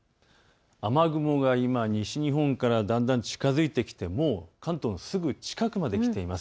雨雲が今、西日本からだんだんと近づいてきて、もう関東のすぐ近くまで来ています。